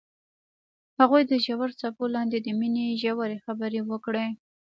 هغوی د ژور څپو لاندې د مینې ژورې خبرې وکړې.